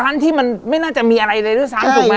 ร้านที่มันไม่น่าจะมีอะไรอะไรด้วยสามถูกมั้ย